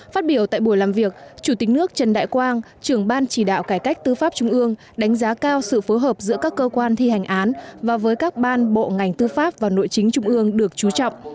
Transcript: phát biểu tại buổi làm việc chủ tịch nước trần đại quang trưởng ban chỉ đạo cải cách tư pháp trung ương đánh giá cao sự phối hợp giữa các cơ quan thi hành án và với các ban bộ ngành tư pháp và nội chính trung ương được chú trọng